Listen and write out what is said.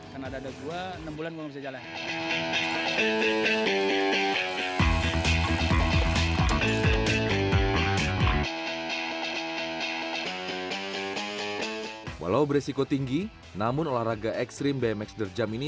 karena dada gue enam bulan gue nggak bisa jalan